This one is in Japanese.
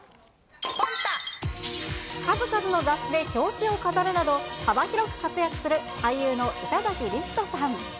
数々の雑誌で表紙を飾るなど、幅広く活躍する板垣李光人さん。